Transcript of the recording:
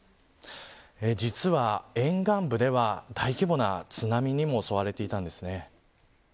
実は沿岸部では、大規模な津波にも襲われていたんですね。